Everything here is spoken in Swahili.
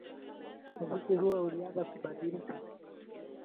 Muziki huo ulianza kubadilika kutokana na wakati huo wa ushindani